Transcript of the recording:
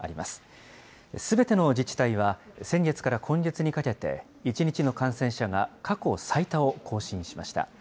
すべての自治体は先月から今月にかけて、１日の感染者が過去最多を更新しました。